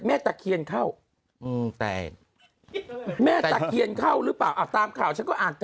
ตะเคียนเข้าแต่แม่ตะเคียนเข้าหรือเปล่าอ่ะตามข่าวฉันก็อ่านแต่